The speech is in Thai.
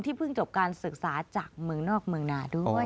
เพิ่งจบการศึกษาจากเมืองนอกเมืองนาด้วย